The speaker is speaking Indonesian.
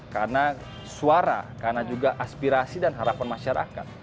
karena suara karena juga aspirasi dan harapan masyarakat